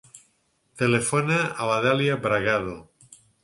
Telefona a la Dèlia Bragado.